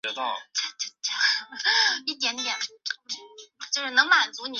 现代战争中的战役往往由多次不同的部队之间的战斗组成。